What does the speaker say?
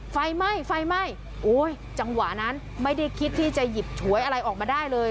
ไฟไหม้จังหวะนั้นไม่ได้คิดที่จะหยิบถวยอะไรออกมาได้เลย